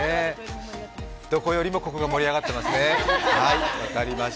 どこよりもここが盛り上がってますね。